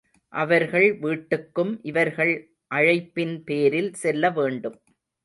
அவர்கள் வீட்டுக்கும் இவர்கள் அழைப்பின் பேரில் செல்லவேண்டும்.